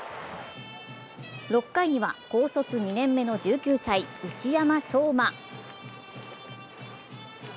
６回には高卒２年目の１９歳、内山壮真。